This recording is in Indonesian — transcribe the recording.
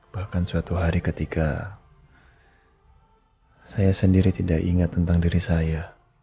bahkan suatu hari ketika saya sendiri tidak ingat tentang diri saya